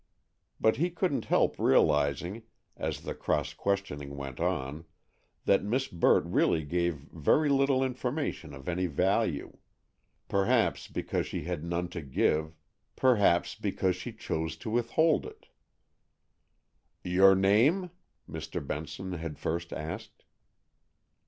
But he couldn't help realizing, as the cross questioning went on, that Miss Burt really gave very little information of any value. Perhaps because she had none to give, perhaps because she chose to withhold it. "Your name?" Mr. Benson had first asked.